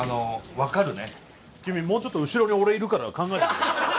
君もうちょっと後ろに俺いるから考えて。